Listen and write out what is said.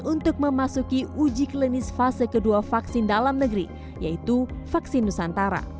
untuk memasuki uji klinis fase kedua vaksin dalam negeri yaitu vaksin nusantara